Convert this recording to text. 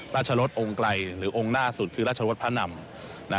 ราชรสองค์ไกลหรือองค์หน้าสุดคือราชรสพระนำ